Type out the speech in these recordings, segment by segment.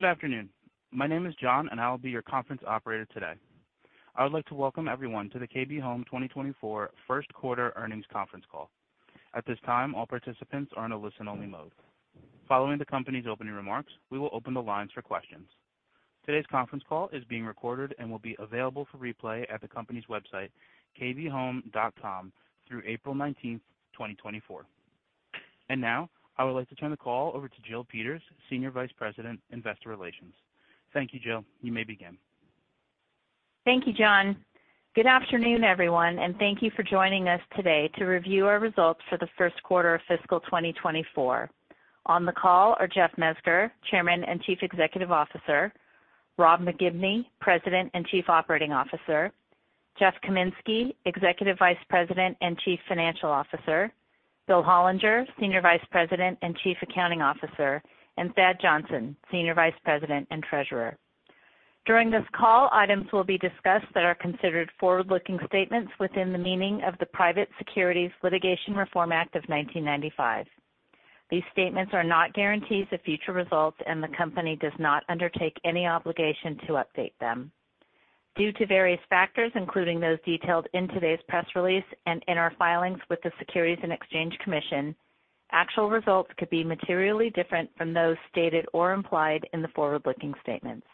Good afternoon. My name is John, and I'll be your conference operator today. I would like to welcome everyone to the KB Home 2024 first quarter earnings conference call. At this time, all participants are in a listen-only mode. Following the company's opening remarks, we will open the lines for questions. Today's conference call is being recorded and will be available for replay at the company's website, kbhome.com, through April 19th, 2024. Now, I would like to turn the call over to Jill Peters, Senior Vice President, Investor Relations. Thank you, Jill. You may begin. Thank you, John. Good afternoon, everyone, and thank you for joining us today to review our results for the first quarter of fiscal 2024. On the call are Jeff Mezger, Chairman and Chief Executive Officer, Rob McGibney, President and Chief Operating Officer, Jeff Kaminski, Executive Vice President and Chief Financial Officer, Bill Hollinger, Senior Vice President and Chief Accounting Officer, and Thad Johnson, Senior Vice President and Treasurer. During this call, items will be discussed that are considered forward-looking statements within the meaning of the Private Securities Litigation Reform Act of 1995. These statements are not guarantees of future results, and the company does not undertake any obligation to update them. Due to various factors, including those detailed in today's press release and in our filings with the Securities and Exchange Commission, actual results could be materially different from those stated or implied in the forward-looking statements.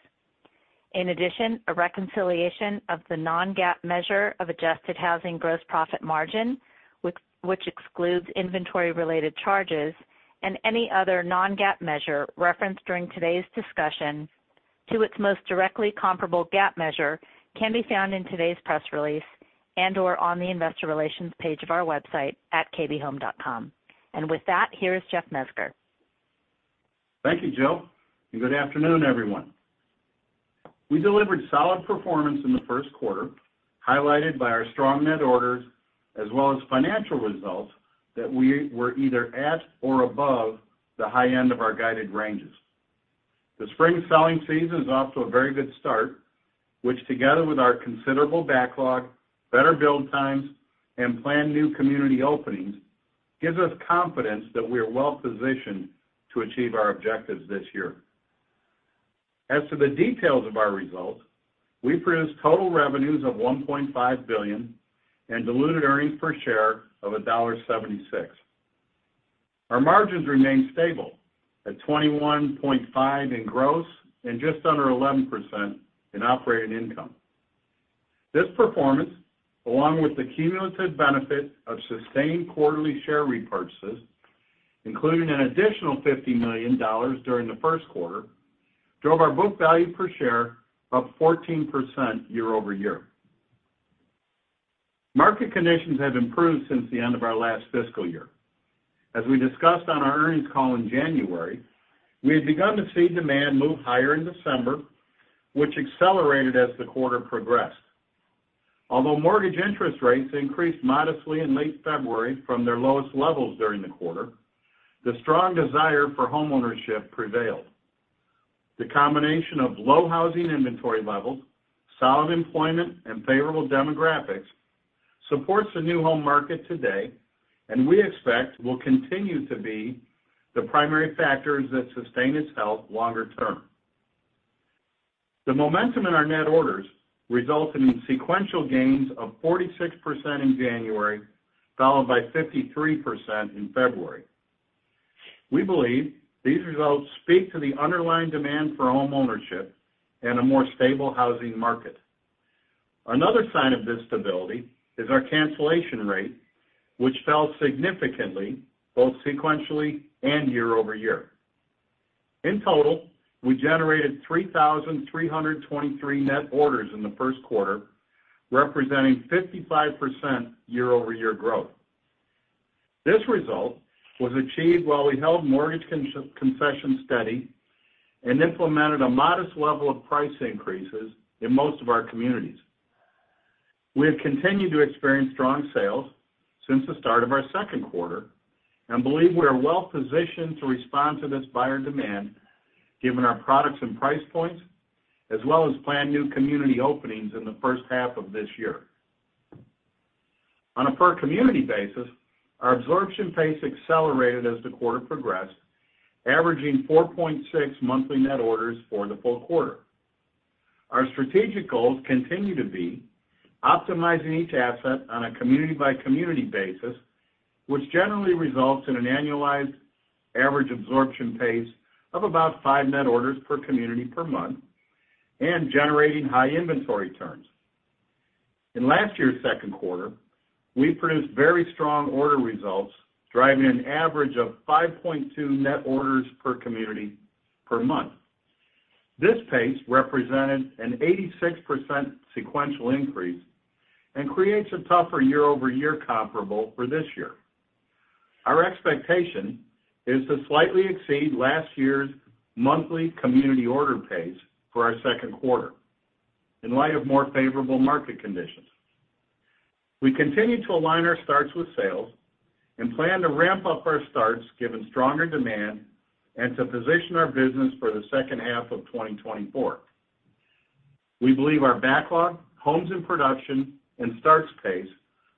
In addition, a reconciliation of the non-GAAP measure of adjusted housing gross profit margin, which excludes inventory-related charges, and any other non-GAAP measure referenced during today's discussion to its most directly comparable GAAP measure can be found in today's press release and/or on the Investor Relations page of our website at kbhome.com. With that, here is Jeff Mezger. Thank you, Jill, and good afternoon, everyone. We delivered solid performance in the first quarter, highlighted by our strong net orders as well as financial results that we were either at or above the high end of our guided ranges. The spring selling season is off to a very good start, which, together with our considerable backlog, better build times, and planned new community openings, gives us confidence that we are well positioned to achieve our objectives this year. As to the details of our results, we produced total revenues of $1.5 billion and diluted earnings per share of $1.76. Our margins remain stable at 21.5% gross and just under 11% in operating income. This performance, along with the cumulative benefit of sustained quarterly share repurchases, including an additional $50 million during the first quarter, drove our book value per share up 14% year-over-year. Market conditions have improved since the end of our last fiscal year. As we discussed on our earnings call in January, we had begun to see demand move higher in December, which accelerated as the quarter progressed. Although mortgage interest rates increased modestly in late February from their lowest levels during the quarter, the strong desire for homeownership prevailed. The combination of low housing inventory levels, solid employment, and favorable demographics supports the new home market today, and we expect will continue to be the primary factors that sustain its health longer term. The momentum in our net orders resulted in sequential gains of 46% in January, followed by 53% in February. We believe these results speak to the underlying demand for homeownership and a more stable housing market. Another sign of this stability is our cancellation rate, which fell significantly both sequentially and year-over-year. In total, we generated 3,323 net orders in the first quarter, representing 55% year-over-year growth. This result was achieved while we held mortgage concessions steady and implemented a modest level of price increases in most of our communities. We have continued to experience strong sales since the start of our second quarter and believe we are well positioned to respond to this buyer demand given our products and price points, as well as planned new community openings in the first half of this year. On a per-community basis, our absorption pace accelerated as the quarter progressed, averaging 4.6 monthly net orders for the full quarter. Our strategic goals continue to be optimizing each asset on a community-by-community basis, which generally results in an annualized average absorption pace of about five net orders per community per month and generating high inventory turns. In last year's second quarter, we produced very strong order results, driving an average of 5.2 net orders per community per month. This pace represented an 86% sequential increase and creates a tougher year-over-year comparable for this year. Our expectation is to slightly exceed last year's monthly community order pace for our second quarter in light of more favorable market conditions. We continue to align our starts with sales and plan to ramp up our starts given stronger demand and to position our business for the second half of 2024. We believe our backlog, homes in production, and starts pace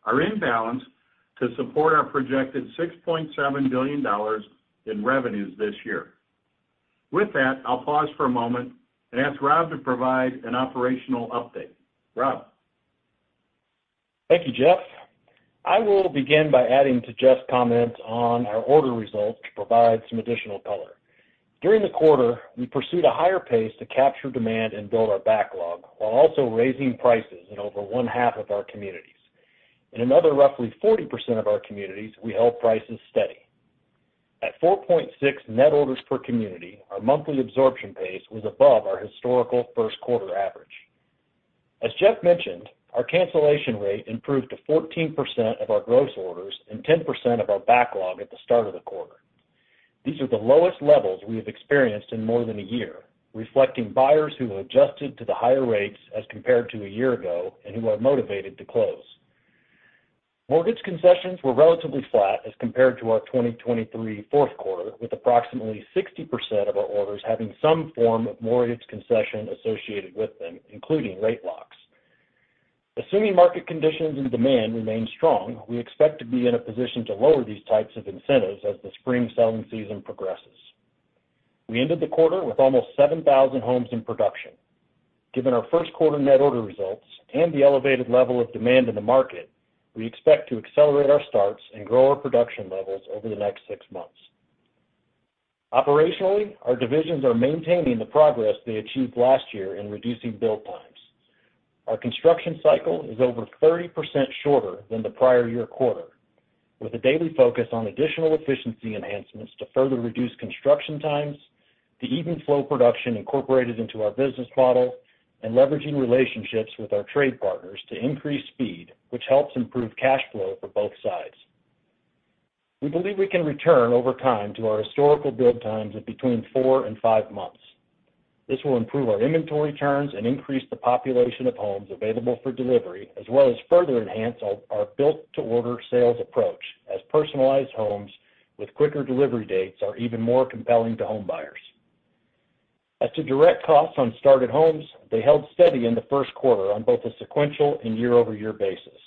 are in balance to support our projected $6.7 billion in revenues this year. With that, I'll pause for a moment and ask Rob to provide an operational update. Rob. Thank you, Jeff. I will begin by adding to Jeff's comments on our order results to provide some additional color. During the quarter, we pursued a higher pace to capture demand and build our backlog while also raising prices in over one half of our communities. In another roughly 40% of our communities, we held prices steady. At 4.6 net orders per community, our monthly absorption pace was above our historical first quarter average. As Jeff mentioned, our cancellation rate improved to 14% of our gross orders and 10% of our backlog at the start of the quarter. These are the lowest levels we have experienced in more than a year, reflecting buyers who have adjusted to the higher rates as compared to a year ago and who are motivated to close. Mortgage concessions were relatively flat as compared to our 2023 fourth quarter, with approximately 60% of our orders having some form of mortgage concession associated with them, including rate locks. Assuming market conditions and demand remain strong, we expect to be in a position to lower these types of incentives as the spring selling season progresses. We ended the quarter with almost 7,000 homes in production. Given our first quarter net order results and the elevated level of demand in the market, we expect to accelerate our starts and grow our production levels over the next six months. Operationally, our divisions are maintaining the progress they achieved last year in reducing build times. Our construction cycle is over 30% shorter than the prior year quarter, with a daily focus on additional efficiency enhancements to further reduce construction times, the even flow production incorporated into our business model, and leveraging relationships with our trade partners to increase speed, which helps improve cash flow for both sides. We believe we can return over time to our historical build times of between four and five months. This will improve our inventory turns and increase the population of homes available for delivery, as well as further enhance our built-to-order sales approach as personalized homes with quicker delivery dates are even more compelling to home buyers. As to direct costs on started homes, they held steady in the first quarter on both a sequential and year-over-year basis.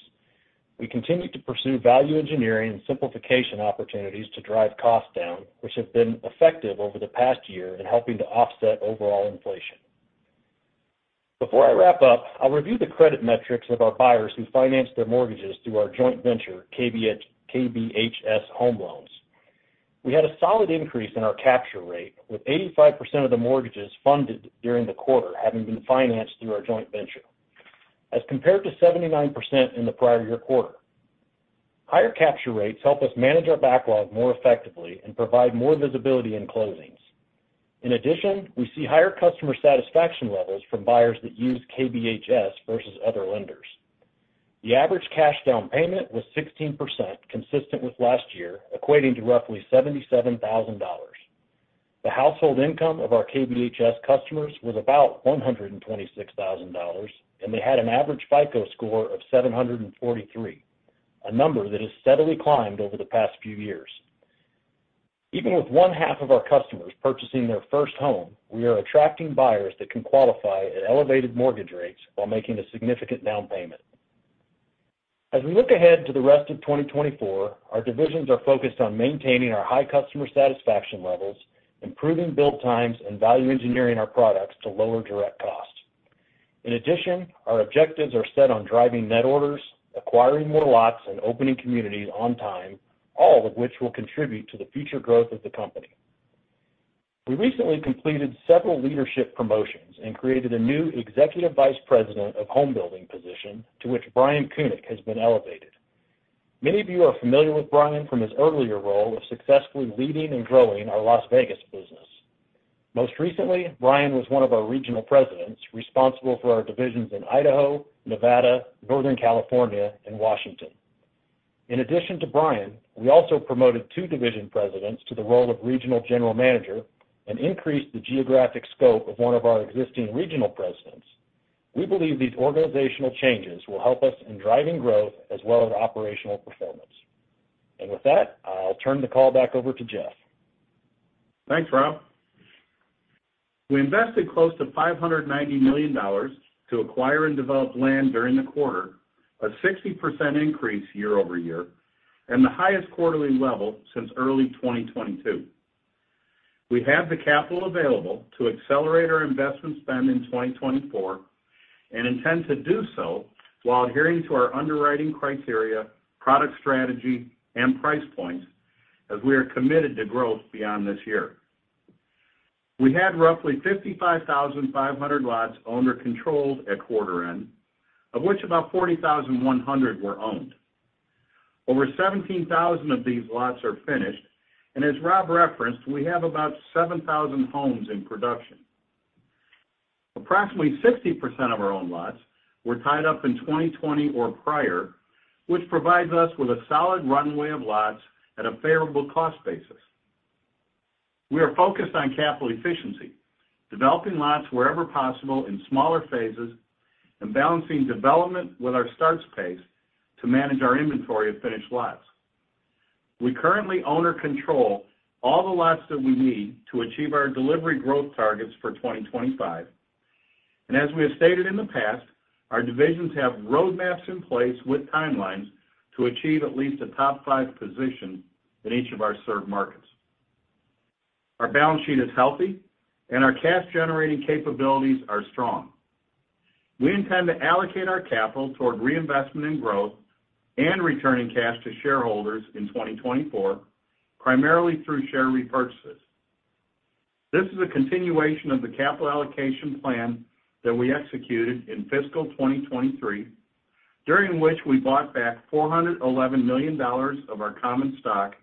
We continue to pursue value engineering and simplification opportunities to drive costs down, which have been effective over the past year in helping to offset overall inflation. Before I wrap up, I'll review the credit metrics of our buyers who finance their mortgages through our joint venture, KBHS Home Loans. We had a solid increase in our capture rate, with 85% of the mortgages funded during the quarter having been financed through our joint venture as compared to 79% in the prior year quarter. Higher capture rates help us manage our backlog more effectively and provide more visibility in closings. In addition, we see higher customer satisfaction levels from buyers that use KBHS versus other lenders. The average cash down payment was 16%, consistent with last year, equating to roughly $77,000. The household income of our KBHS customers was about $126,000, and they had an average FICO score of 743, a number that has steadily climbed over the past few years. Even with one half of our customers purchasing their first home, we are attracting buyers that can qualify at elevated mortgage rates while making a significant down payment. As we look ahead to the rest of 2024, our divisions are focused on maintaining our high customer satisfaction levels, improving build times, and value engineering our products to lower direct costs. In addition, our objectives are set on driving net orders, acquiring more lots, and opening communities on time, all of which will contribute to the future growth of the company. We recently completed several leadership promotions and created a new Executive Vice President of Home Building position, to which Brian Kunec has been elevated. Many of you are familiar with Brian from his earlier role of successfully leading and growing our Las Vegas business. Most recently, Brian was one of our regional presidents responsible for our divisions in Idaho, Nevada, Northern California, and Washington. In addition to Brian, we also promoted two division presidents to the role of regional general manager and increased the geographic scope of one of our existing regional presidents. We believe these organizational changes will help us in driving growth as well as operational performance. And with that, I'll turn the call back over to Jeff. Thanks, Rob. We invested close to $590 million to acquire and develop land during the quarter, a 60% increase year-over-year, and the highest quarterly level since early 2022. We have the capital available to accelerate our investment spend in 2024 and intend to do so while adhering to our underwriting criteria, product strategy, and price points, as we are committed to growth beyond this year. We had roughly 55,500 lots owned or controlled at quarter end, of which about 40,100 were owned. Over 17,000 of these lots are finished, and as Rob referenced, we have about 7,000 homes in production. Approximately 60% of our own lots were tied up in 2020 or prior, which provides us with a solid runway of lots at a favorable cost basis. We are focused on capital efficiency, developing lots wherever possible in smaller phases, and balancing development with our starts pace to manage our inventory of finished lots. We currently own or control all the lots that we need to achieve our delivery growth targets for 2025. As we have stated in the past, our divisions have roadmaps in place with timelines to achieve at least a top five position in each of our served markets. Our balance sheet is healthy, and our cash-generating capabilities are strong. We intend to allocate our capital toward reinvestment and growth and returning cash to shareholders in 2024, primarily through share repurchases. This is a continuation of the capital allocation plan that we executed in fiscal 2023, during which we bought back $411 million of our common stock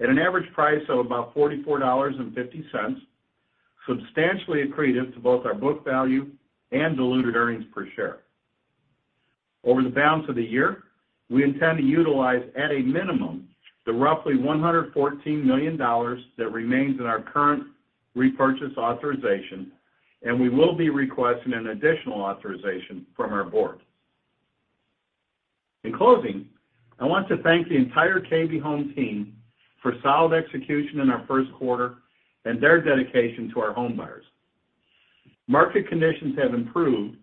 at an average price of about $44.50, substantially accretive to both our book value and diluted earnings per share. Over the balance of the year, we intend to utilize, at a minimum, the roughly $114 million that remains in our current repurchase authorization, and we will be requesting an additional authorization from our board. In closing, I want to thank the entire KB Home team for solid execution in our first quarter and their dedication to our home buyers. Market conditions have improved,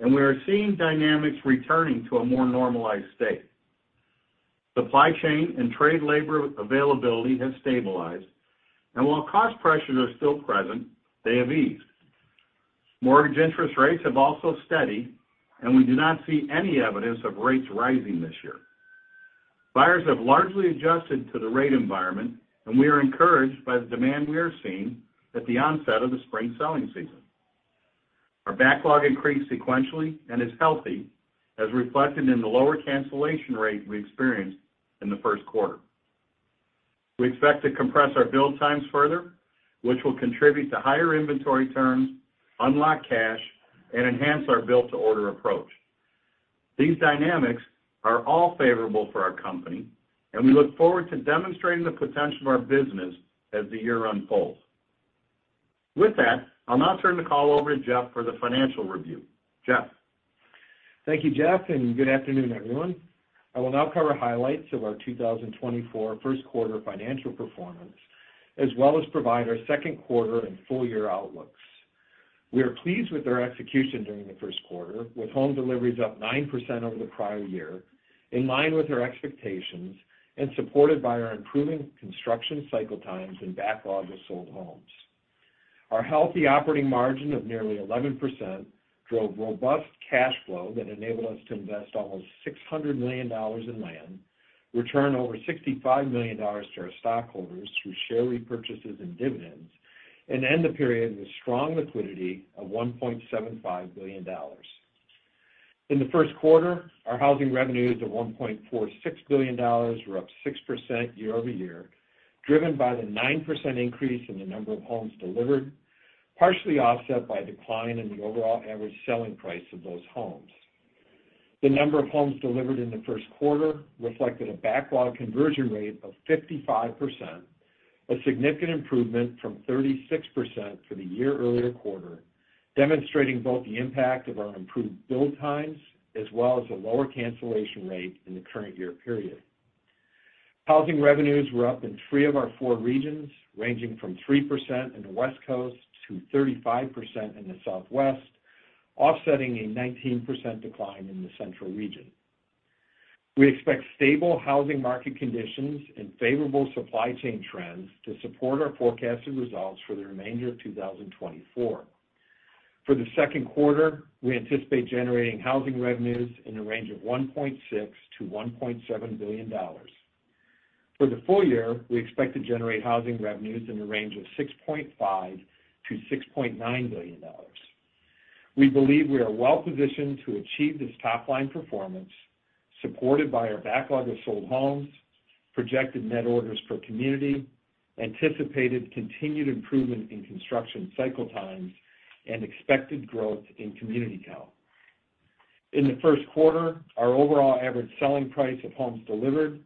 and we are seeing dynamics returning to a more normalized state. Supply chain and trade labor availability have stabilized, and while cost pressures are still present, they have eased. Mortgage interest rates have also steadied, and we do not see any evidence of rates rising this year. Buyers have largely adjusted to the rate environment, and we are encouraged by the demand we are seeing at the onset of the spring selling season. Our backlog increased sequentially and is healthy, as reflected in the lower cancellation rate we experienced in the first quarter. We expect to compress our build times further, which will contribute to higher inventory turns, unlock cash, and enhance our built-to-order approach. These dynamics are all favorable for our company, and we look forward to demonstrating the potential of our business as the year unfolds. With that, I'll now turn the call over to Jeff for the financial review. Jeff. Thank you, Jeff, and good afternoon, everyone. I will now cover highlights of our 2024 first quarter financial performance, as well as provide our second quarter and full year outlooks. We are pleased with our execution during the first quarter, with home deliveries up 9% over the prior year, in line with our expectations and supported by our improving construction cycle times and backlog of sold homes. Our healthy operating margin of nearly 11% drove robust cash flow that enabled us to invest almost $600 million in land, return over $65 million to our stockholders through share repurchases and dividends, and end the period with strong liquidity of $1.75 billion. In the first quarter, our housing revenues of $1.46 billion were up 6% year-over-year, driven by the 9% increase in the number of homes delivered, partially offset by a decline in the overall average selling price of those homes. The number of homes delivered in the first quarter reflected a backlog conversion rate of 55%, a significant improvement from 36% for the year earlier quarter, demonstrating both the impact of our improved build times as well as a lower cancellation rate in the current year period. Housing revenues were up in three of our four regions, ranging from 3% in the West Coast to 35% in the Southwest, offsetting a 19% decline in the Central region. We expect stable housing market conditions and favorable supply chain trends to support our forecasted results for the remainder of 2024. For the second quarter, we anticipate generating housing revenues in the range of $1.6-$1.7 billion. For the full year, we expect to generate housing revenues in the range of $6.5-$6.9 billion. We believe we are well positioned to achieve this top line performance, supported by our backlog of sold homes, projected net orders per community, anticipated continued improvement in construction cycle times, and expected growth in community capital. In the first quarter, our overall average selling price of homes delivered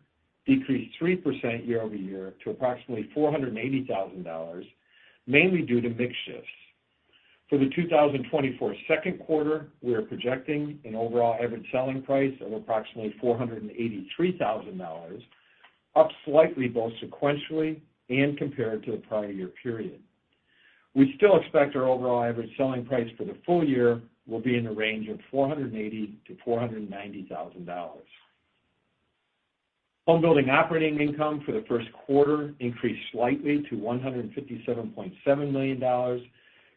decreased 3% year-over-year to approximately $480,000, mainly due to mixed shifts. For the 2024 second quarter, we are projecting an overall average selling price of approximately $483,000, up slightly both sequentially and compared to the prior year period. We still expect our overall average selling price for the full year will be in the range of $480,000-$490,000. Home building operating income for the first quarter increased slightly to $157.7 million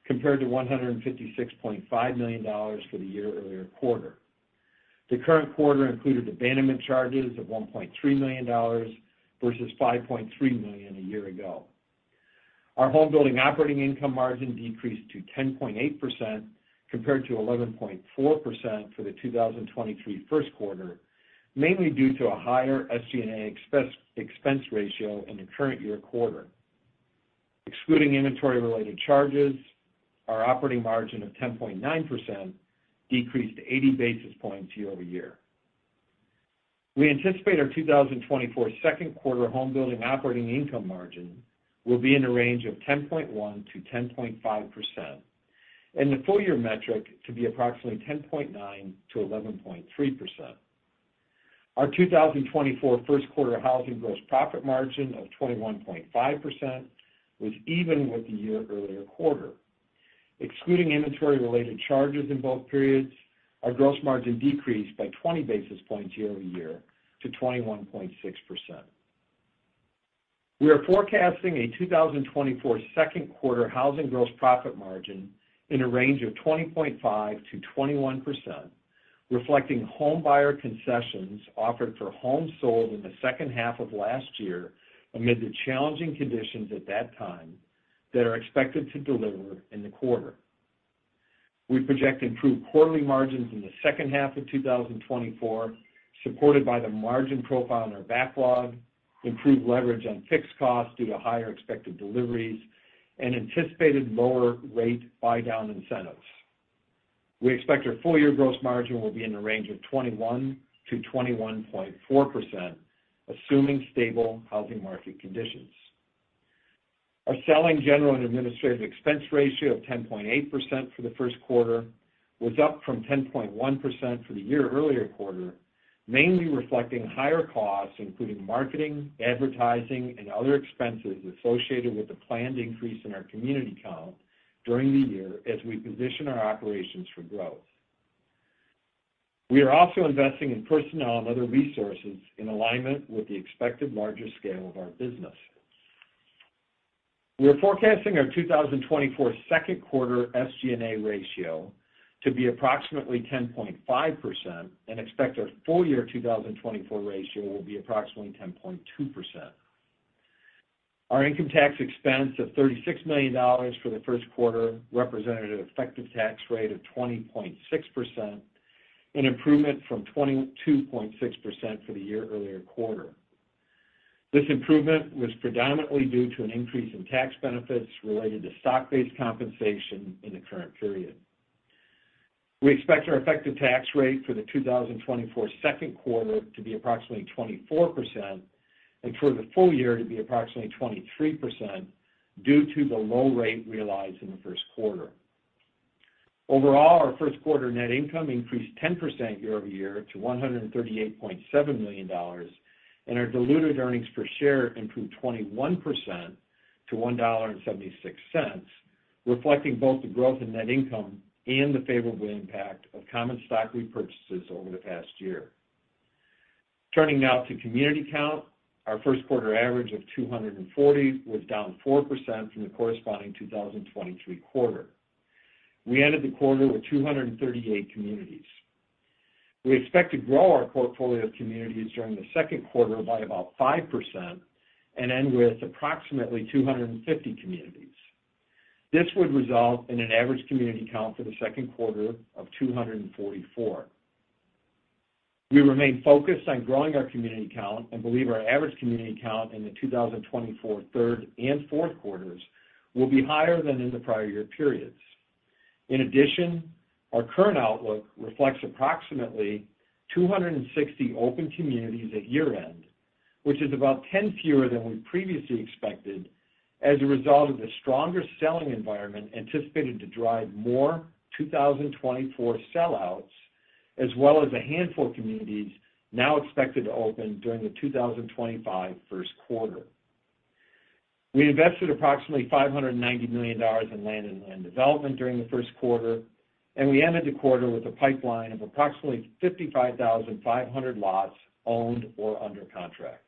compared to $156.5 million for the year earlier quarter. The current quarter included abandonment charges of $1.3 million versus $5.3 million a year ago. Our home building operating income margin decreased to 10.8% compared to 11.4% for the 2023 first quarter, mainly due to a higher SG&A expense ratio in the current year quarter. Excluding inventory-related charges, our operating margin of 10.9% decreased 80 basis points year-over-year. We anticipate our 2024 second quarter home building operating income margin will be in the range of 10.1%-10.5%, and the full year metric to be approximately 10.9%-11.3%. Our 2024 first quarter housing gross profit margin of 21.5% was even with the year earlier quarter. Excluding inventory-related charges in both periods, our gross margin decreased by 20 basis points year-over-year to 21.6%. We are forecasting a 2024 second quarter housing gross profit margin in the range of 20.5%-21%, reflecting home buyer concessions offered for homes sold in the second half of last year amid the challenging conditions at that time that are expected to deliver in the quarter. We project improved quarterly margins in the second half of 2024, supported by the margin profile in our backlog, improved leverage on fixed costs due to higher expected deliveries, and anticipated lower rate buy-down incentives. We expect our full year gross margin will be in the range of 21%-21.4%, assuming stable housing market conditions. Our Selling, General, and Administrative expense ratio of 10.8% for the first quarter was up from 10.1% for the year-earlier quarter, mainly reflecting higher costs, including marketing, advertising, and other expenses associated with the planned increase in our community count during the year as we position our operations for growth. We are also investing in personnel and other resources in alignment with the expected larger scale of our business. We are forecasting our 2024 second quarter SG&A ratio to be approximately 10.5% and expect our full year 2024 ratio will be approximately 10.2%. Our income tax expense of $36 million for the first quarter represented an effective tax rate of 20.6%, an improvement from 22.6% for the year-earlier quarter. This improvement was predominantly due to an increase in tax benefits related to stock-based compensation in the current period. We expect our effective tax rate for the 2024 second quarter to be approximately 24% and for the full year to be approximately 23% due to the low rate realized in the first quarter. Overall, our first quarter net income increased 10% year-over-year to $138.7 million, and our diluted earnings per share improved 21% to $1.76, reflecting both the growth in net income and the favorable impact of common stock repurchases over the past year. Turning now to community count, our first quarter average of 240 was down 4% from the corresponding 2023 quarter. We ended the quarter with 238 communities. We expect to grow our portfolio of communities during the second quarter by about 5% and end with approximately 250 communities. This would result in an average community count for the second quarter of 244. We remain focused on growing our community count and believe our average community count in the 2024 third and fourth quarters will be higher than in the prior year periods. In addition, our current outlook reflects approximately 260 open communities at year end, which is about 10 fewer than we previously expected as a result of the stronger selling environment anticipated to drive more 2024 sellouts, as well as a handful of communities now expected to open during the 2025 first quarter. We invested approximately $590 million in land and land development during the first quarter, and we ended the quarter with a pipeline of approximately 55,500 lots owned or under contract.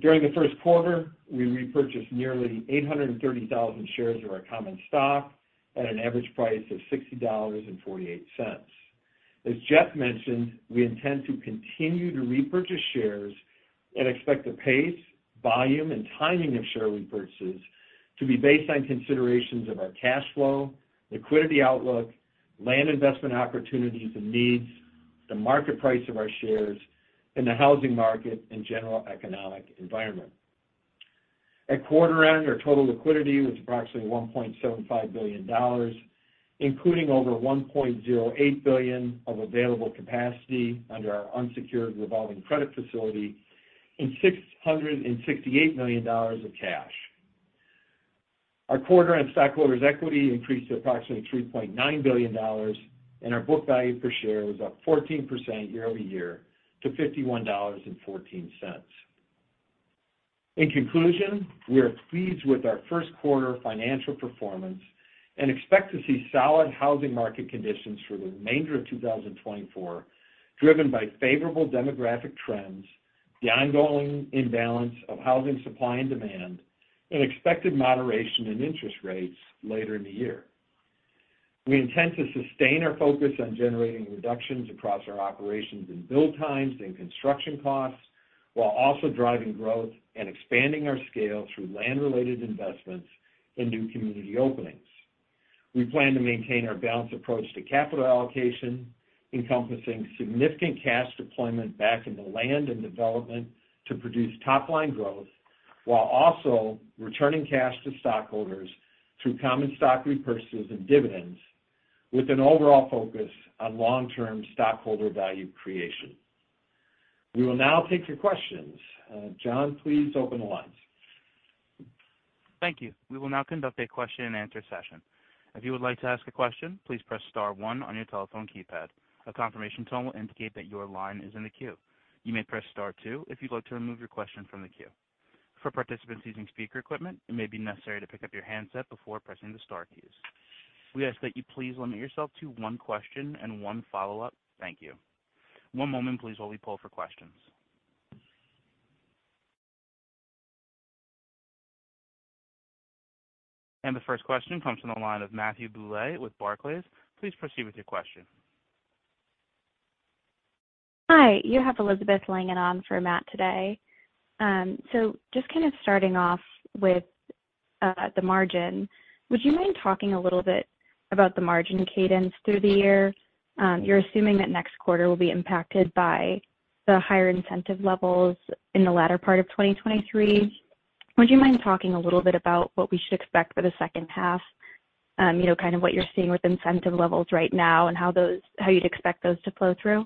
During the first quarter, we repurchased nearly 830,000 shares of our common stock at an average price of $60.48. As Jeff mentioned, we intend to continue to repurchase shares and expect the pace, volume, and timing of share repurchases to be based on considerations of our cash flow, liquidity outlook, land investment opportunities and needs, the market price of our shares, and the housing market and general economic environment. At quarter end, our total liquidity was approximately $1.75 billion, including over $1.08 billion of available capacity under our unsecured revolving credit facility and $668 million of cash. Our quarter-end stockholders' equity increased to approximately $3.9 billion, and our book value per share was up 14% year-over-year to $51.14. In conclusion, we are pleased with our first quarter financial performance and expect to see solid housing market conditions for the remainder of 2024, driven by favorable demographic trends, the ongoing imbalance of housing supply and demand, and expected moderation in interest rates later in the year. We intend to sustain our focus on generating reductions across our operations in build times and construction costs while also driving growth and expanding our scale through land-related investments and new community openings. We plan to maintain our balanced approach to capital allocation, encompassing significant cash deployment back into land and development to produce top line growth, while also returning cash to stockholders through common stock repurchases and dividends, with an overall focus on long-term stockholder value creation. We will now take your questions. John, please open the lines. Thank you. We will now conduct a question-and-answer session. If you would like to ask a question, please press star one on your telephone keypad. A confirmation tone will indicate that your line is in the queue. You may press star two if you'd like to remove your question from the queue. For participants using speaker equipment, it may be necessary to pick up your handset before pressing the star keys. We ask that you please limit yourself to one question and one follow-up. Thank you. One moment, please, while we pull for questions. And the first question comes from the line of Matthew Boulet with Barclays. Please proceed with your question. Hi. You have Elizabeth Langan for Matt today. So just kind of starting off with the margin, would you mind talking a little bit about the margin cadence through the year? You're assuming that next quarter will be impacted by the higher incentive levels in the latter part of 2023. Would you mind talking a little bit about what we should expect for the second half, you know, kind of what you're seeing with incentive levels right now and how those—how you'd expect those to flow through?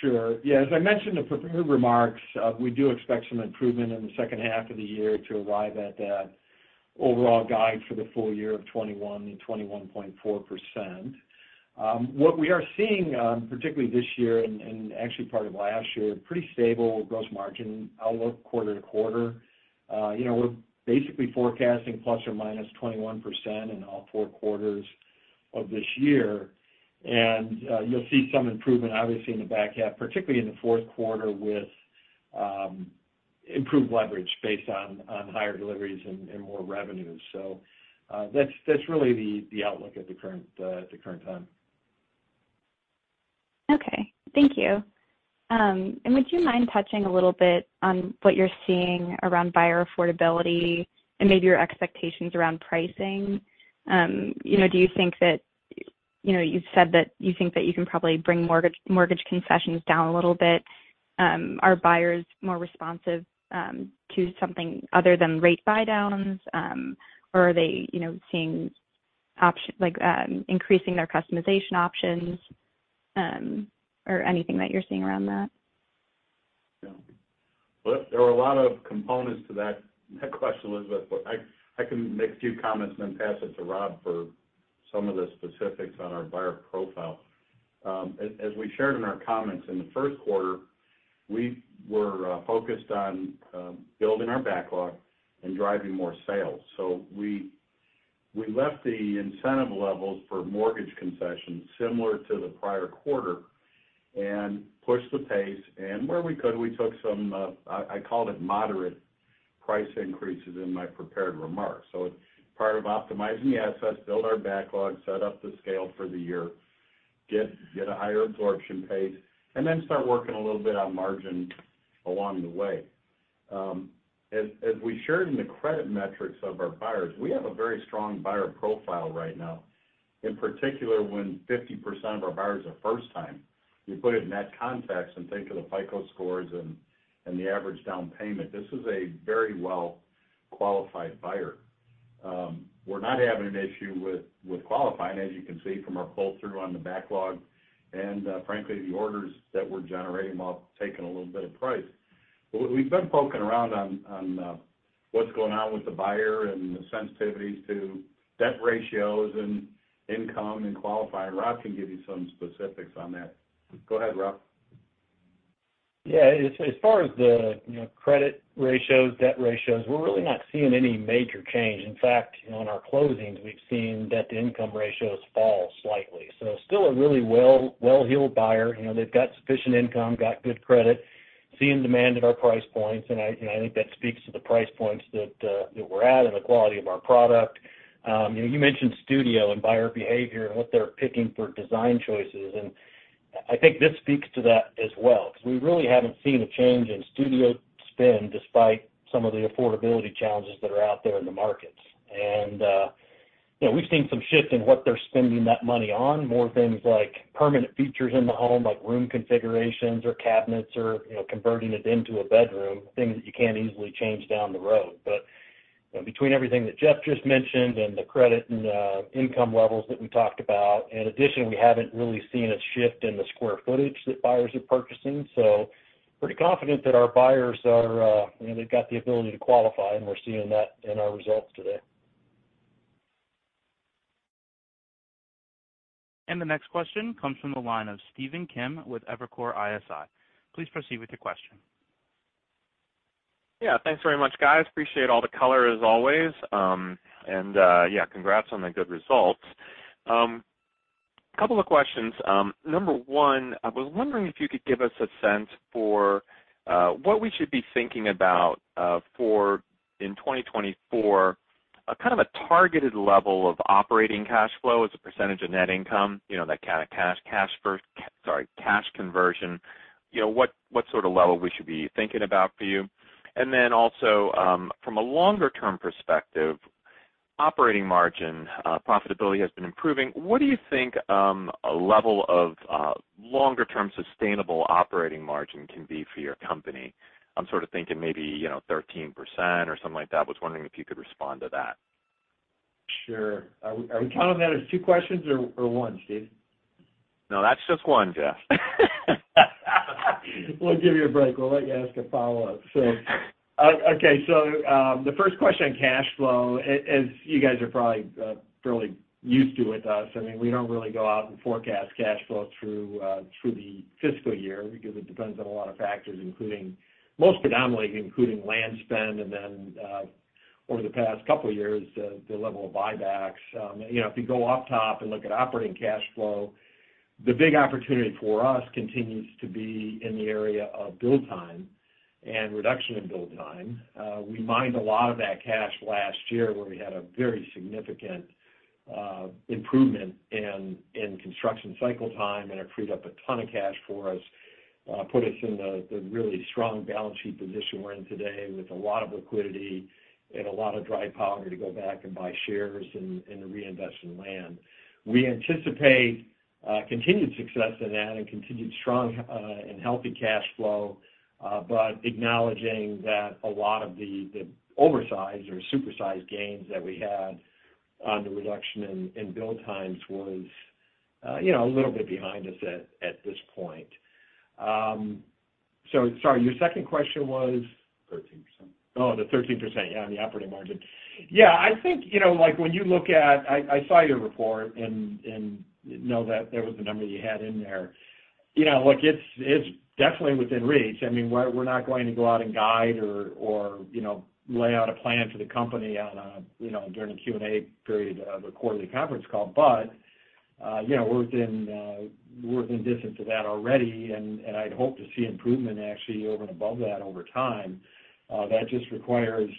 Sure. Yeah. As I mentioned in prepared remarks, we do expect some improvement in the second half of the year to arrive at that overall guide for the full year of 2021, the 21.4%. What we are seeing, particularly this year and, and actually part of last year, pretty stable gross margin outlook quarter to quarter. You know, we're basically forecasting ±21% in all four quarters of this year. And, you'll see some improvement, obviously, in the back half, particularly in the fourth quarter with, improved leverage based on, on higher deliveries and, and more revenues. So, that's, that's really the, the outlook at the current, at the current time. Okay. Thank you. Would you mind touching a little bit on what you're seeing around buyer affordability and maybe your expectations around pricing? You know, do you think that you know, you've said that you think that you can probably bring mortgage mortgage concessions down a little bit. Are buyers more responsive to something other than rate buy-downs, or are they, you know, seeing options like increasing their customization options, or anything that you're seeing around that? Yeah. Well, there were a lot of components to that, that question, Elizabeth, but I, I can make a few comments and then pass it to Rob for some of the specifics on our buyer profile. As, as we shared in our comments in the first quarter, we were, focused on, building our backlog and driving more sales. So we, we left the incentive levels for mortgage concessions similar to the prior quarter and pushed the pace. And where we could, we took some, I, I called it moderate price increases in my prepared remarks. So it's part of optimizing the assets, build our backlog, set up the scale for the year, get, get a higher absorption pace, and then start working a little bit on margin along the way. As we shared in the credit metrics of our buyers, we have a very strong buyer profile right now, in particular when 50% of our buyers are first-time. You put it in that context and think of the FICO scores and the average down payment. This is a very well-qualified buyer. We're not having an issue with qualifying, as you can see from our pull-through on the backlog and, frankly, the orders that we're generating while taking a little bit of price. But what we've been poking around on, what's going on with the buyer and the sensitivities to debt ratios and income and qualifying. Rob can give you some specifics on that. Go ahead, Rob. Yeah. As far as the, you know, credit ratios, debt ratios, we're really not seeing any major change. In fact, you know, on our closings, we've seen debt-to-income ratios fall slightly. So still a really well-heeled buyer. You know, they've got sufficient income, got good credit, seeing demand at our price points. And I, you know, I think that speaks to the price points that we're at and the quality of our product. You know, you mentioned studio and buyer behavior and what they're picking for design choices. And I think this speaks to that as well 'cause we really haven't seen a change in studio spend despite some of the affordability challenges that are out there in the markets. And, you know, we've seen some shift in what they're spending that money on, more things like permanent features in the home, like room configurations or cabinets or, you know, converting it into a bedroom, things that you can't easily change down the road. But, you know, between everything that Jeff just mentioned and the credit and income levels that we talked about, in addition, we haven't really seen a shift in the square footage that buyers are purchasing. So pretty confident that our buyers are, you know, they've got the ability to qualify, and we're seeing that in our results today. The next question comes from the line of Stephen Kim with Evercore ISI. Please proceed with your question. Yeah. Thanks very much, guys. Appreciate all the color, as always. And, yeah, congrats on the good results. Couple of questions. Number one, I was wondering if you could give us a sense for what we should be thinking about for in 2024, a kind of a targeted level of operating cash flow as a percentage of net income, you know, that kind of cash conversion. You know, what sort of level we should be thinking about for you. And then also, from a longer-term perspective, operating margin, profitability has been improving. What do you think a level of longer-term sustainable operating margin can be for your company? I'm sort of thinking maybe, you know, 13% or something like that. I was wondering if you could respond to that. Sure. Are we, are we counting that as two questions or, or one, Steve? No, that's just one, Jeff. We'll give you a break. We'll let you ask a follow-up. Okay. So, the first question on cash flow, as you guys are probably fairly used to with us, I mean, we don't really go out and forecast cash flow through the fiscal year because it depends on a lot of factors, including most predominantly land spend and then, over the past couple of years, the level of buybacks. You know, if you go off the top and look at operating cash flow, the big opportunity for us continues to be in the area of build time and reduction in build time. We mined a lot of that cash last year where we had a very significant improvement in construction cycle time and it freed up a ton of cash for us, put us in the really strong balance sheet position we're in today with a lot of liquidity and a lot of dry powder to go back and buy shares and reinvest in land. We anticipate continued success in that and continued strong and healthy cash flow, but acknowledging that a lot of the oversized or supersized gains that we had on the reduction in build times was, you know, a little bit behind us at this point. So sorry, your second question was? 13%. Oh, the 13%. Yeah, on the operating margin. Yeah. I think, you know, like when you look at, I saw your report and know that there was a number you had in there. You know, look, it's definitely within reach. I mean, we're not going to go out and guide or, you know, lay out a plan for the company, you know, during a Q&A period of a quarterly conference call. But, you know, we're within distance of that already. And I'd hope to see improvement actually over and above that over time. That just requires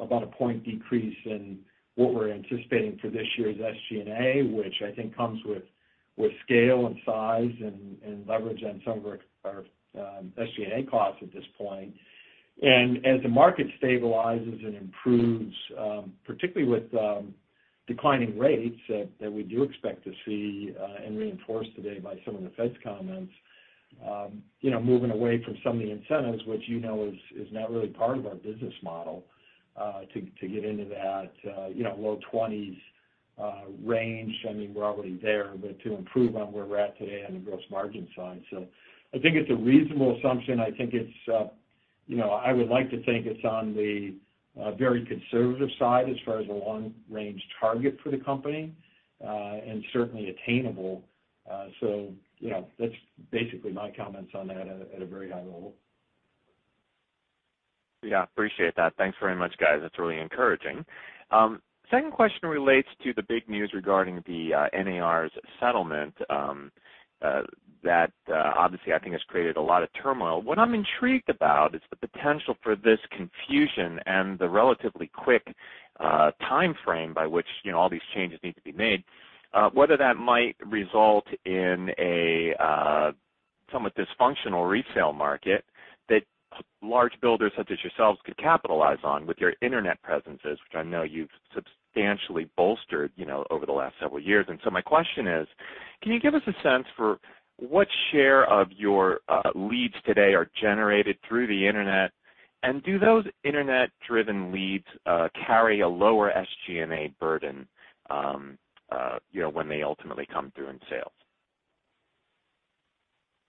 about a point decrease in what we're anticipating for this year's SG&A, which I think comes with scale and size and leverage on some of our SG&A costs at this point. As the market stabilizes and improves, particularly with declining rates that we do expect to see, and reinforced today by some of the Fed's comments, you know, moving away from some of the incentives, which you know is not really part of our business model, to get into that, you know, low 20s range. I mean, we're already there, but to improve on where we're at today on the gross margin side. So I think it's a reasonable assumption. I think it's, you know, I would like to think it's on the very conservative side as far as a long-range target for the company, and certainly attainable. So, you know, that's basically my comments on that at a very high level. Yeah. Appreciate that. Thanks very much, guys. That's really encouraging. Second question relates to the big news regarding the NAR's settlement, that obviously, I think, has created a lot of turmoil. What I'm intrigued about is the potential for this confusion and the relatively quick time frame by which, you know, all these changes need to be made, whether that might result in a somewhat dysfunctional resale market that large builders such as yourselves could capitalize on with your internet presences, which I know you've substantially bolstered, you know, over the last several years. And so my question is, can you give us a sense for what share of your leads today are generated through the internet? And do those internet-driven leads carry a lower SG&A burden, you know, when they ultimately come through in sales?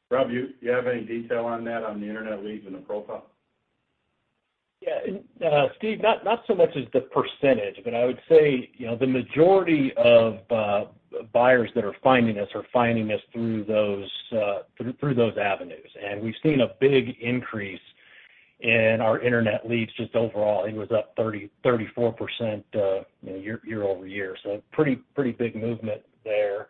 Rob, you have any detail on that, on the internet leads and the profile? Yeah. Steve, not so much as the percentage, but I would say, you know, the majority of buyers that are finding us are finding us through those avenues. And we've seen a big increase in our internet leads just overall. I think it was up 30%-34%, you know, year-over-year. So pretty big movement there.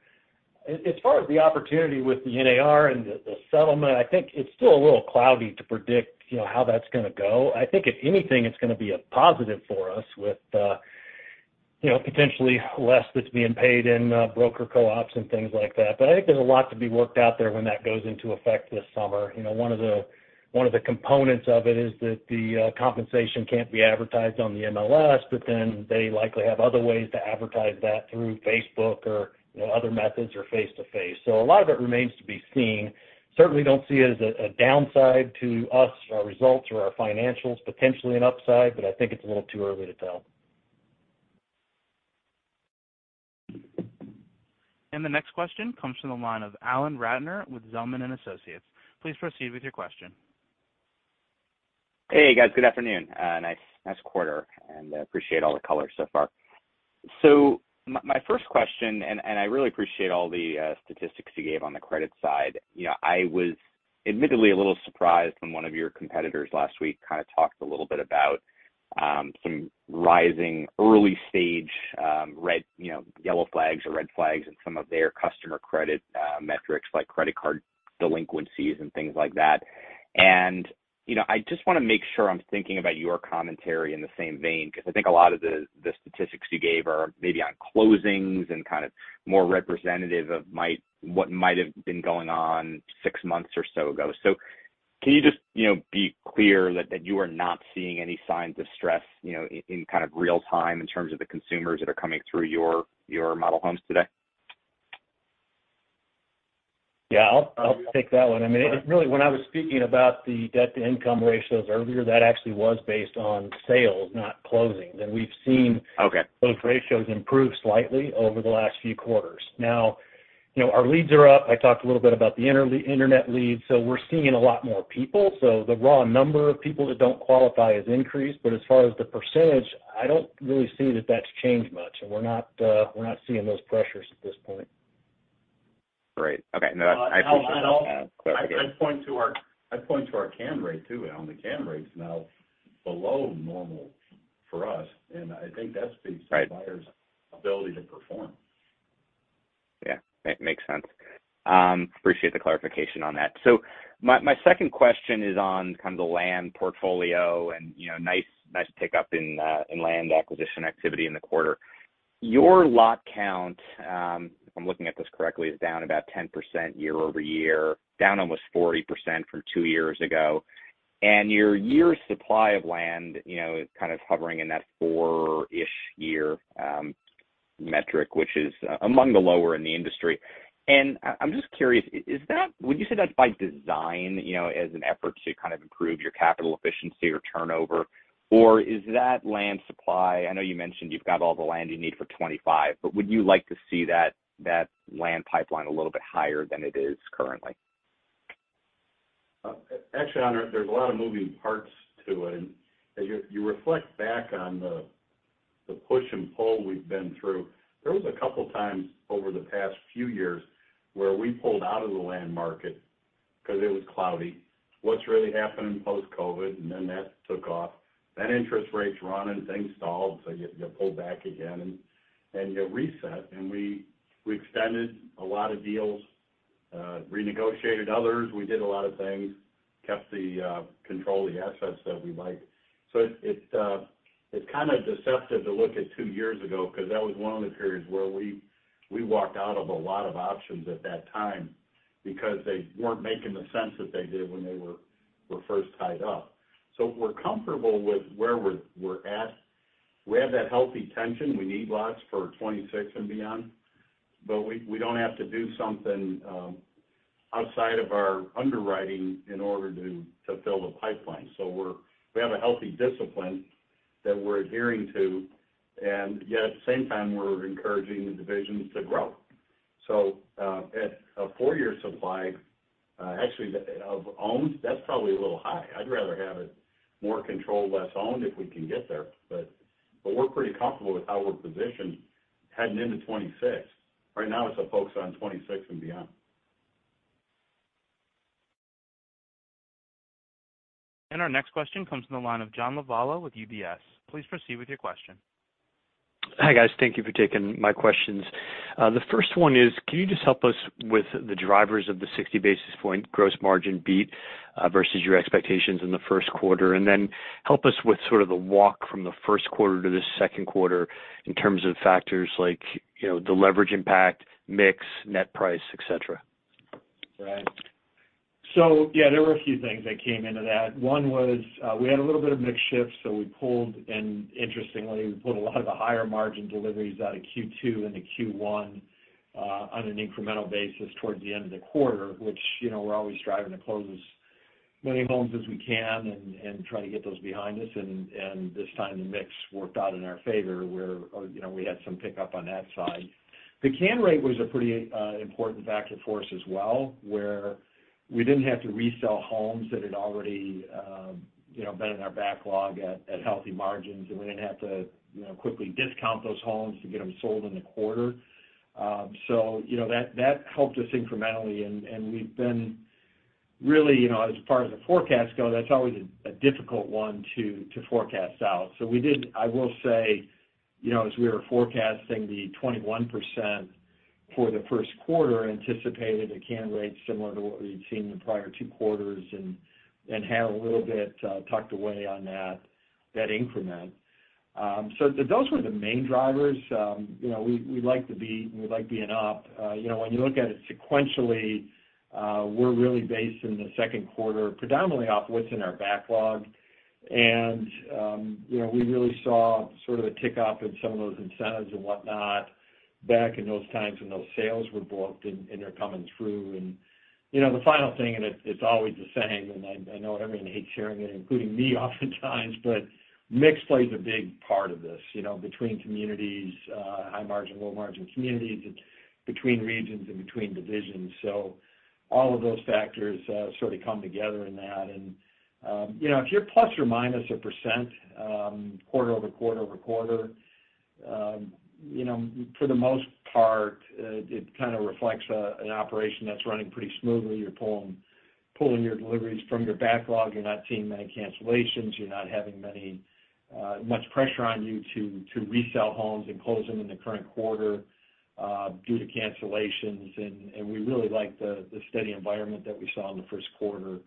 As far as the opportunity with the NAR and the settlement, I think it's still a little cloudy to predict, you know, how that's gonna go. I think if anything, it's gonna be a positive for us with, you know, potentially less that's being paid in broker co-ops and things like that. But I think there's a lot to be worked out there when that goes into effect this summer. You know, one of the components of it is that the compensation can't be advertised on the MLS, but then they likely have other ways to advertise that through Facebook or, you know, other methods or face-to-face. So a lot of it remains to be seen. Certainly don't see it as a downside to us, our results or our financials, potentially an upside, but I think it's a little too early to tell. The next question comes from the line of Alan Ratner with Zelman & Associates. Please proceed with your question. Hey, guys. Good afternoon. Nice, nice quarter, and appreciate all the color so far. So my first question and I really appreciate all the statistics you gave on the credit side. You know, I was admittedly a little surprised when one of your competitors last week kinda talked a little bit about some rising early-stage red, you know, yellow flags or red flags in some of their customer credit metrics like credit card delinquencies and things like that. And you know, I just wanna make sure I'm thinking about your commentary in the same vein 'cause I think a lot of the statistics you gave are maybe on closings and kind of more representative of might what might have been going on six months or so ago. So can you just, you know, be clear that you are not seeing any signs of stress, you know, in kind of real time in terms of the consumers that are coming through your model homes today? Yeah. I'll, I'll take that one. I mean, it, it really, when I was speaking about the debt-to-income ratios earlier, that actually was based on sales, not closings. And we've seen. Okay. Those ratios improve slightly over the last few quarters. Now, you know, our leads are up. I talked a little bit about the online internet leads. So we're seeing a lot more people. So the raw number of people that don't qualify has increased. But as far as the percentage, I don't really see that that's changed much. And we're not, we're not seeing those pressures at this point. Great. Okay. No, that's. I don't. I appreciate that clarification. I point to our cancel rate too on the cancel rates. Now, below normal for us. And I think that speaks to. Right. Buyers' ability to perform. Yeah. Makes sense. Appreciate the clarification on that. So my, my second question is on kind of the land portfolio and, you know, nice, nice pickup in, in land acquisition activity in the quarter. Your lot count, if I'm looking at this correctly, is down about 10% year-over-year, down almost 40% from two years ago. And your years' supply of land, you know, is kind of hovering in that four-ish-year metric, which is, among the lower in the industry. And I'm just curious, is that would you say that's by design, you know, as an effort to kind of improve your capital efficiency or turnover? Or is that land supply I know you mentioned you've got all the land you need for 2025, but would you like to see that, that land pipeline a little bit higher than it is currently? Actually, Honor, there's a lot of moving parts to it. And as you reflect back on the push and pull we've been through, there was a couple of times over the past few years where we pulled out of the land market 'cause it was cloudy. What's really happening post-COVID? And then that took off. Then interest rates run and things stalled. So you pulled back again and you reset. And we extended a lot of deals, renegotiated others. We did a lot of things, kept the control of the assets that we liked. So it's kind of deceptive to look at two years ago 'cause that was one of the periods where we walked out of a lot of options at that time because they weren't making sense that they did when they were first tied up. So we're comfortable with where we're at. We have that healthy tension. We need lots for 2026 and beyond. But we don't have to do something outside of our underwriting in order to fill the pipeline. So we have a healthy discipline that we're adhering to. And yet, at the same time, we're encouraging the divisions to grow. So, at a four-year supply, actually, the of owned, that's probably a little high. I'd rather have it more controlled, less owned if we can get there. But we're pretty comfortable with how we're positioned heading into 2026. Right now, it's a focus on 2026 and beyond. Our next question comes from the line of John Lovallo with UBS. Please proceed with your question. Hi, guys. Thank you for taking my questions. The first one is, can you just help us with the drivers of the 60 basis points gross margin beat, versus your expectations in the first quarter? And then help us with sort of the walk from the first quarter to the second quarter in terms of factors like, you know, the leverage impact, mix, net price, etc. Right. So yeah, there were a few things that came into that. One was, we had a little bit of mixed shifts. So we pulled and interestingly, we pulled a lot of the higher margin deliveries out of Q2 into Q1, on an incremental basis towards the end of the quarter, which, you know, we're always striving to close as many homes as we can and try to get those behind us. And this time, the mix worked out in our favor where, you know, we had some pickup on that side. The CAM rate was a pretty important factor for us as well where we didn't have to resell homes that had already, you know, been in our backlog at healthy margins. And we didn't have to, you know, quickly discount those homes to get them sold in the quarter. So, you know, that helped us incrementally. And we've been really, you know, as far as the forecasts go, that's always a difficult one to forecast out. So we did, I will say, you know, as we were forecasting the 21% for the first quarter, anticipated a CAM rate similar to what we'd seen in the prior two quarters and had a little bit tucked away on that increment. So those were the main drivers. You know, we like the beat. We like being up. You know, when you look at it sequentially, we're really based in the second quarter predominantly off what's in our backlog. And, you know, we really saw sort of a tickup in some of those incentives and whatnot back in those times when those sales were booked and they're coming through. You know, the final thing and it, it's always the same. And I know everyone hates hearing it, including me oftentimes, but mix plays a big part of this, you know, between communities, high-margin, low-margin communities, between regions, and between divisions. So all of those factors, sort of come together in that. And, you know, if you're ± a %, quarter-over-quarter over quarter, you know, for the most part, it kind of reflects an operation that's running pretty smoothly. You're pulling your deliveries from your backlog. You're not seeing many cancellations. You're not having much pressure on you to resell homes and close them in the current quarter, due to cancellations. And we really like the steady environment that we saw in the first quarter.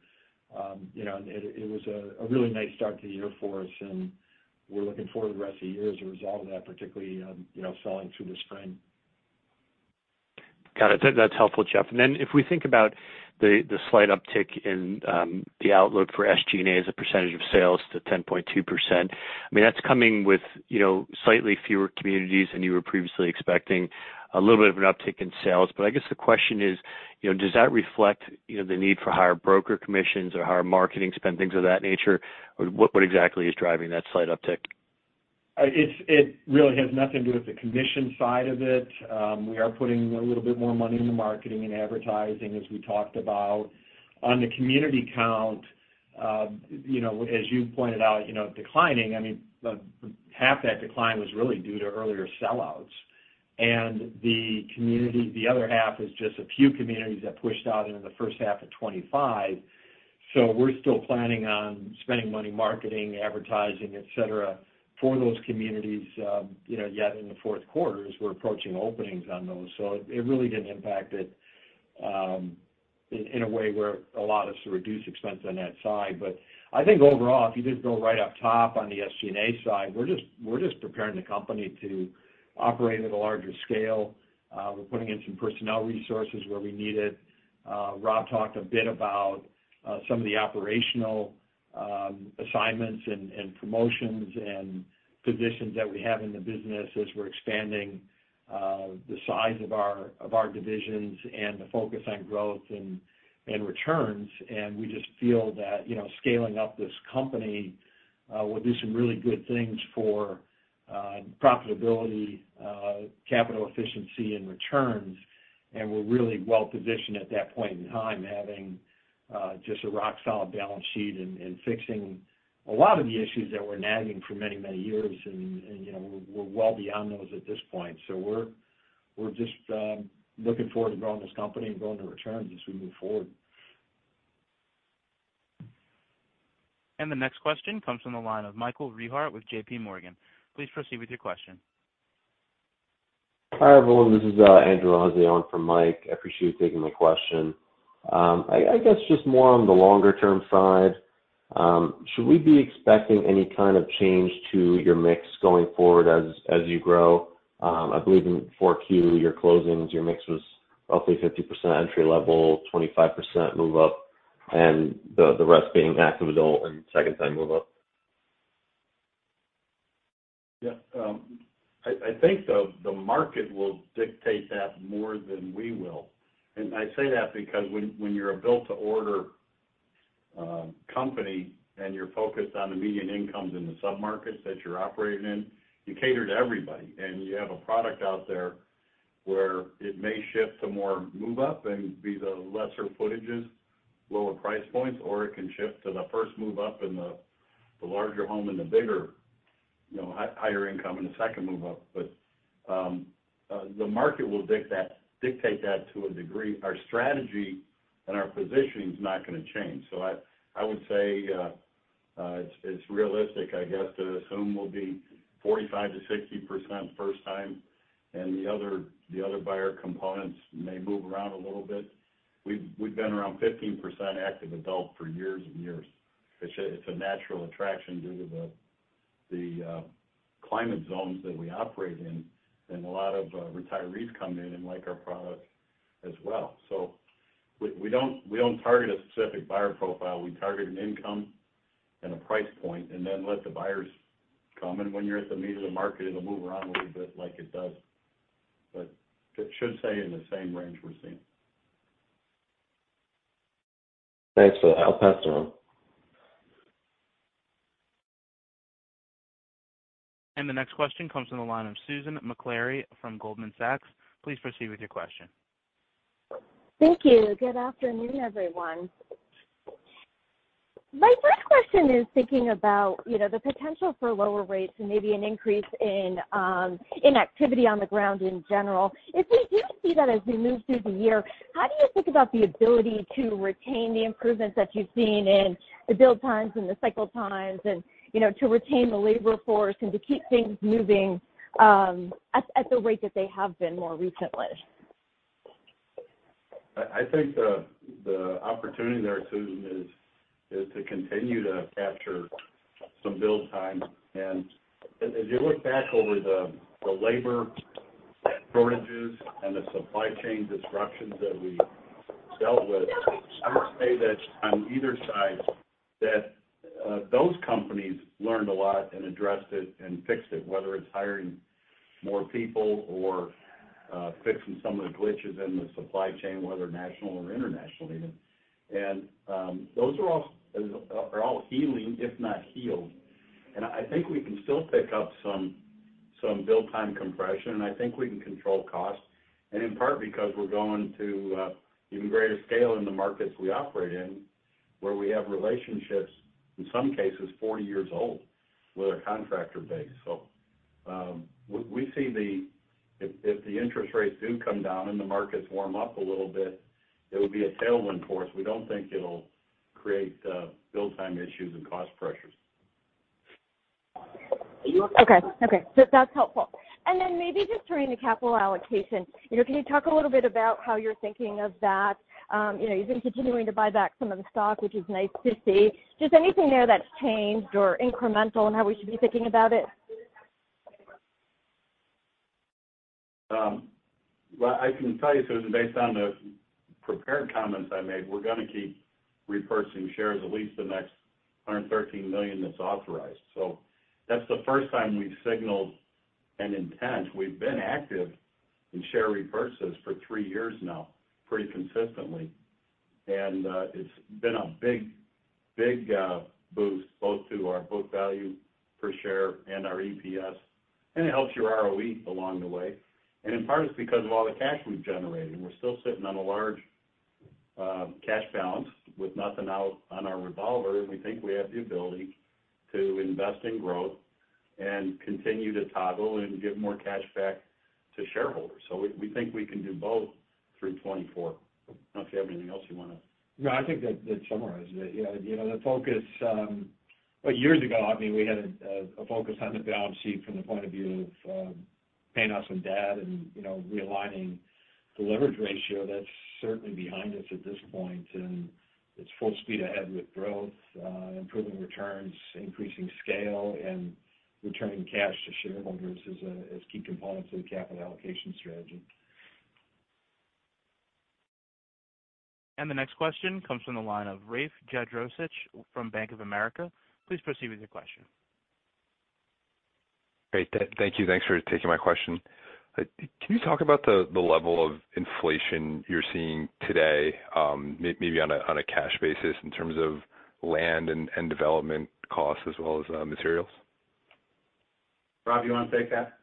You know, and it was a really nice start to the year for us. We're looking forward to the rest of the year as a result of that, particularly, you know, selling through the spring. Got it. That, that's helpful, Jeff. And then if we think about the slight uptick in the outlook for SG&A as a percentage of sales to 10.2%, I mean, that's coming with, you know, slightly fewer communities than you were previously expecting, a little bit of an uptick in sales. But I guess the question is, you know, does that reflect, you know, the need for higher broker commissions or higher marketing spend, things of that nature? Or what, what exactly is driving that slight uptick? It really has nothing to do with the commission side of it. We are putting a little bit more money in the marketing and advertising, as we talked about. On the community count, you know, as you pointed out, you know, declining. I mean, half that decline was really due to earlier sellouts. And the community the other half is just a few communities that pushed out in the first half of 2025. So we're still planning on spending money marketing, advertising, etc. for those communities, you know, yet in the fourth quarter. We're approaching openings on those. So it really didn't impact it in a way where a lot of us reduce expense on that side. But I think overall, if you just go right up top on the SG&A side, we're just preparing the company to operate at a larger scale. We're putting in some personnel resources where we need it. Rob talked a bit about some of the operational assignments and promotions and positions that we have in the business as we're expanding the size of our divisions and the focus on growth and returns. And we just feel that, you know, scaling up this company will do some really good things for profitability, capital efficiency, and returns. And we're really well-positioned at that point in time, having just a rock-solid balance sheet and fixing a lot of the issues that have been nagging us for many, many years. And, you know, we're well beyond those at this point. So we're just looking forward to growing this company and growing the returns as we move forward. The next question comes from the line of Michael Rehaut with J.P. Morgan. Please proceed with your question. Hi, everyone. This is Andrew Azzi from J.P. Morgan. I appreciate you taking my question. I guess just more on the longer-term side, should we be expecting any kind of change to your mix going forward as you grow? I believe in 4Q, your closings, your mix was roughly 50% entry level, 25% move-up, and the rest being active adult and second-time move-up. Yeah. I think the market will dictate that more than we will. And I say that because when you're a built-to-order company and you're focused on the median incomes in the submarkets that you're operating in, you cater to everybody. And you have a product out there where it may shift to more move-up and be the lesser footages, lower price points. Or it can shift to the first move-up and the larger home and the bigger, you know, higher income and the second move-up. But the market will dictate that to a degree. Our strategy and our positioning's not gonna change. So I would say it's realistic, I guess, to assume we'll be 45%-60% first time. And the other buyer components may move around a little bit. We've been around 15% active adult for years and years. It's a natural attraction due to the climate zones that we operate in. And a lot of retirees come in and like our product as well. So we don't target a specific buyer profile. We target an income and a price point and then let the buyers come. And when you're at the meat of the market, it'll move around a little bit like it does. But it should stay in the same range we're seeing. Thanks for that. I'll pass it on. The next question comes from the line of Susan Maklari from Goldman Sachs. Please proceed with your question. Thank you. Good afternoon, everyone. My first question is thinking about, you know, the potential for lower rates and maybe an increase in activity on the ground in general. If we do see that as we move through the year, how do you think about the ability to retain the improvements that you've seen in the build times and the cycle times and, you know, to retain the labor force and to keep things moving at the rate that they have been more recently? I think the opportunity there, Susan, is to continue to capture some build time. As you look back over the labor shortages and the supply chain disruptions that we dealt with, I would say that on either side, those companies learned a lot and addressed it and fixed it, whether it's hiring more people or fixing some of the glitches in the supply chain, whether national or international even. Those are all healing, if not healed. I think we can still pick up some build-time compression. I think we can control cost, and in part because we're going to even greater scale in the markets we operate in where we have relationships, in some cases, 40 years old with our contractor base. So, we see if the interest rates do come down and the markets warm up a little bit, it'll be a tailwind for us. We don't think it'll create build-time issues and cost pressures. Are you okay? Okay. Okay. So that's helpful. And then maybe just turning to capital allocation, you know, can you talk a little bit about how you're thinking of that? You know, you've been continuing to buy back some of the stock, which is nice to see. Just anything there that's changed or incremental in how we should be thinking about it? Well, I can tell you, Susan, based on the prepared comments I made, we're gonna keep repurchasing shares at least the next 113 million that's authorized. So that's the first time we've signaled an intent. We've been active in share repurchases for three years now pretty consistently. It's been a big, big boost both to our book value per share and our EPS. It helps your ROE along the way. In part, it's because of all the cash we've generated. We're still sitting on a large cash balance with nothing out on our revolver. We think we have the ability to invest in growth and continue to toggle and get more cash back to shareholders. So we think we can do both through 2024. I don't know if you have anything else you wanna? No, I think that summarizes it. Yeah. You know, the focus, well, years ago, I mean, we had a focus on the balance sheet from the point of view of paying down debt and, you know, realigning the leverage ratio. That's certainly behind us at this point. And it's full speed ahead with growth, improving returns, increasing scale, and returning cash to shareholders as key components of the capital allocation strategy. The next question comes from the line of Rafe Jadrosich from Bank of America. Please proceed with your question. Great. Thank you. Thanks for taking my question. Can you talk about the level of inflation you're seeing today, maybe on a cash basis in terms of land and development costs as well as materials? Rob, you wanna take that?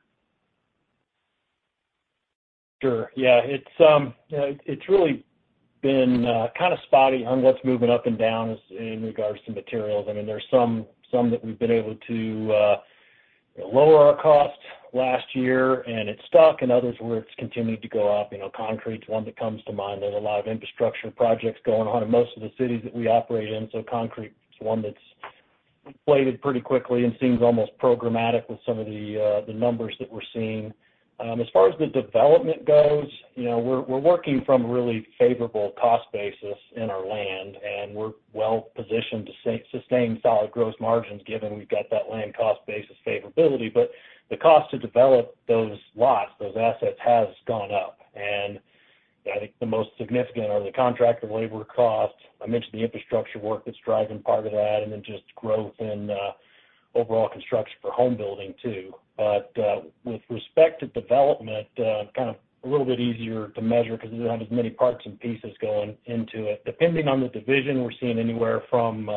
Sure. Yeah. It's, you know, it's really been kinda spotty on what's moving up and down as in regards to materials. I mean, there's some that we've been able to, you know, lower our cost last year. And it's stuck. And others where it's continued to go up. You know, concrete's one that comes to mind. There's a lot of infrastructure projects going on in most of the cities that we operate in. So concrete's one that's inflated pretty quickly and seems almost programmatic with some of the numbers that we're seeing. As far as the development goes, you know, we're working from a really favorable cost basis in our land. And we're well-positioned to sustain solid gross margins given we've got that land cost basis favorability. But the cost to develop those lots, those assets, has gone up. You know, I think the most significant are the contractor labor cost. I mentioned the infrastructure work that's driving part of that and then just growth in overall construction for home building too. But with respect to development, kind of a little bit easier to measure 'cause it doesn't have as many parts and pieces going into it. Depending on the division, we're seeing anywhere from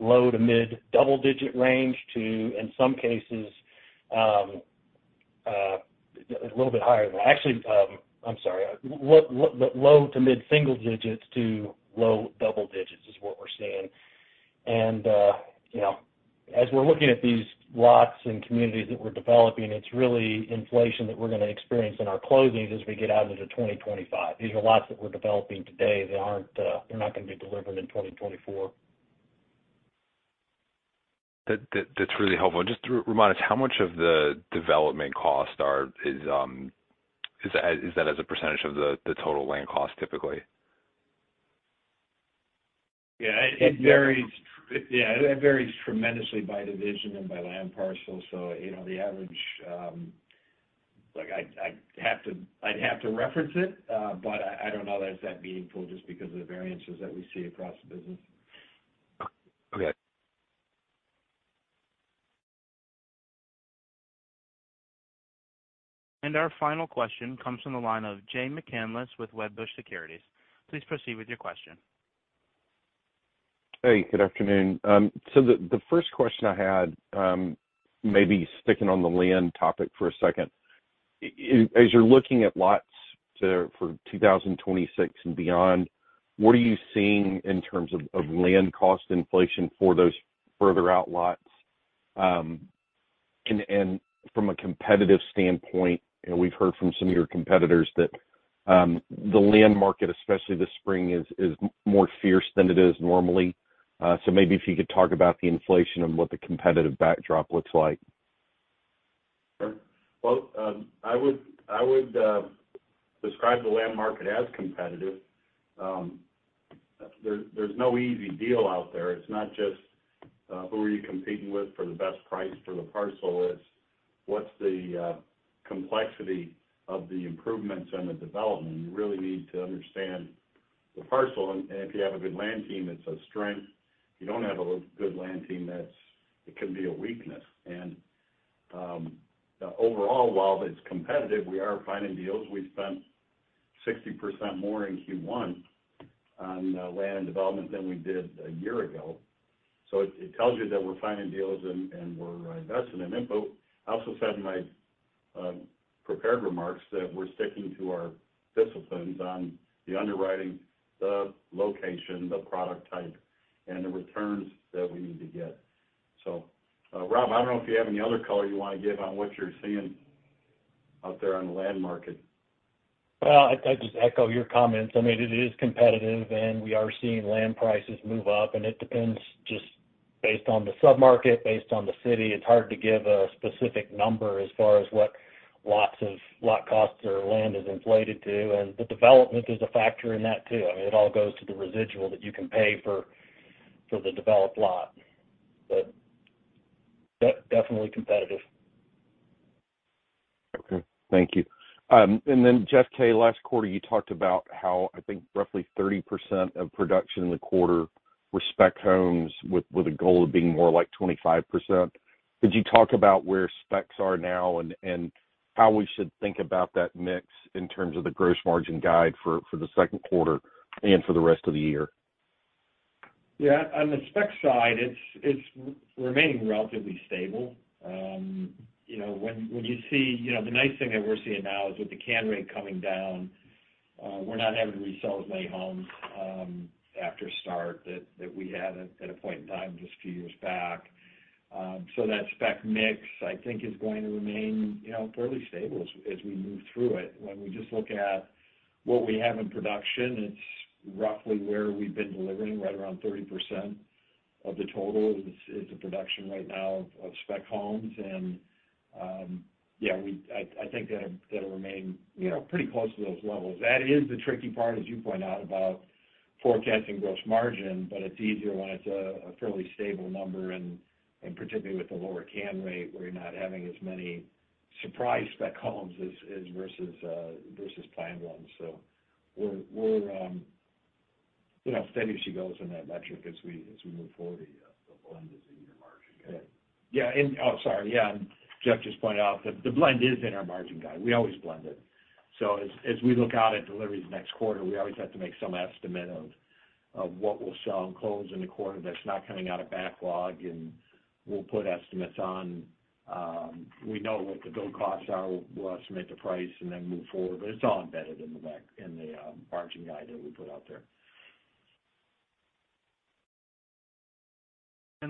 low- to mid-double-digit range to, in some cases, a little bit higher than—actually, I'm sorry. Low- to mid-single digits to low double digits is what we're seeing. And you know, as we're looking at these lots and communities that we're developing, it's really inflation that we're gonna experience in our closings as we get out into 2025. These are lots that we're developing today. They aren't; they're not gonna be delivered in 2024. That's really helpful. And just to remind us, how much of the development cost is that as a percentage of the total land cost typically? Yeah. It varies yeah. It varies tremendously by division and by land parcel. So, you know, the average, like, I'd have to reference it, but I don't know that it's that meaningful just because of the variances that we see across the business. Okay. Our final question comes from the line of Jay McCanless with Wedbush Securities. Please proceed with your question. Hey. Good afternoon. So the first question I had, maybe sticking on the land topic for a second, as you're looking at lots for 2026 and beyond, what are you seeing in terms of land cost inflation for those further-out lots, and from a competitive standpoint? You know, we've heard from some of your competitors that the land market, especially this spring, is more fierce than it is normally. So maybe if you could talk about the inflation and what the competitive backdrop looks like. Sure. Well, I would describe the land market as competitive. There's no easy deal out there. It's not just who are you competing with for the best price for the parcel. It's what's the complexity of the improvements and the development. You really need to understand the parcel. And if you have a good land team, it's a strength. If you don't have a good land team, that's it can be a weakness. Overall, while it's competitive, we are finding deals. We spent 60% more in Q1 on land and development than we did a year ago. So it tells you that we're finding deals and we're investing in input. I also said in my prepared remarks that we're sticking to our disciplines on the underwriting, the location, the product type, and the returns that we need to get. So, Rob, I don't know if you have any other color you wanna give on what you're seeing out there on the land market. Well, I just echo your comments. I mean, it is competitive. And we are seeing land prices move up. And it depends just based on the submarket, based on the city. It's hard to give a specific number as far as what lots cost or land is inflated to. And the development is a factor in that too. I mean, it all goes to the residual that you can pay for the developed lot. But definitely competitive. Okay. Thank you. And then, Jeff K., last quarter, you talked about how, I think, roughly 30% of production in the quarter were spec homes with a goal of being more like 25%. Could you talk about where specs are now and how we should think about that mix in terms of the gross margin guide for the second quarter and for the rest of the year? Yeah. On the spec side, it's remaining relatively stable. You know, when you see, you know, the nice thing that we're seeing now is with the cancel rate coming down, we're not having to resell as many homes after start that we had at a point in time just a few years back. So that spec mix, I think, is going to remain, you know, fairly stable as we move through it. When we just look at what we have in production, it's roughly where we've been delivering, right around 30% of the total is the production right now of spec homes. And, yeah, I think that'll remain, you know, pretty close to those levels. That is the tricky part, as you point out, about forecasting gross margin. But it's easier when it's a fairly stable number and particularly with the lower CAN rate where you're not having as many surprise spec homes as versus planned ones. So we're you know steady as she goes in that metric as we move forward, the blend is in your margin guide. Yeah. And oh, sorry. Yeah. And Jeff just pointed out that the blend is in our margin guide. We always blend it. So as we look out at deliveries next quarter, we always have to make some estimate of what we'll sell and close in the quarter that's not coming out of backlog. And we'll put estimates on, we know what the build costs are. We'll estimate the price and then move forward. But it's all embedded in the margin guide that we put out there.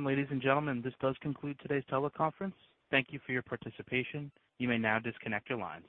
Ladies and gentlemen, this does conclude today's teleconference. Thank you for your participation. You may now disconnect your lines.